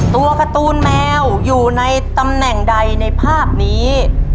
ตัวการ์ตูนแมวอยู่ในตำแหน่งใดในภาพนี้